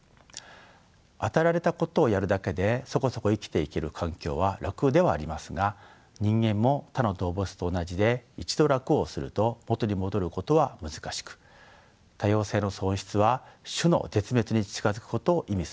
与えられたことをやるだけでそこそこ生きていける環境は楽ではありますが人間も他の動物と同じで一度楽をすると元に戻ることは難しく多様性の喪失は種の絶滅に近づくことを意味するのです。